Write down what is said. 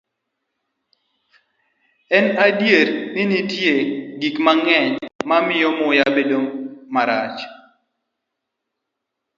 En adier ni nitie gik mang'eny ma miyo muya bedo marach.